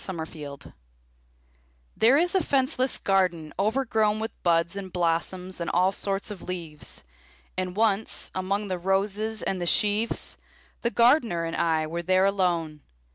The Garden There is a fenceless garden overgrown With buds and blossoms and all sorts of leaves; And once, among the roses and the sheaves, The Gardener and I were there alone.